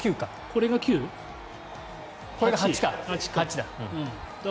これが８だ。